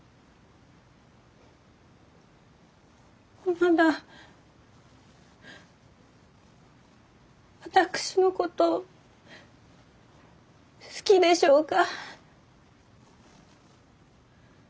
まだ私のことを好きでしょうか？